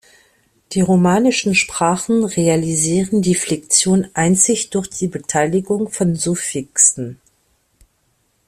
Die romanischen Sprachen realisieren die Flexion einzig durch die Beteiligung von Suffixen.